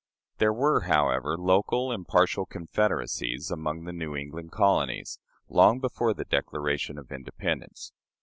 There were, however, local and partial confederacies among the New England colonies, long before the Declaration of Independence.